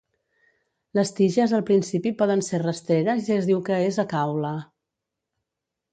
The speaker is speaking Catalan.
Les tiges al principi poden ser rastreres i es diu que és acaule.